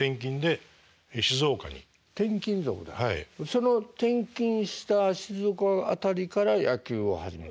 その転勤した静岡辺りから野球を始めた？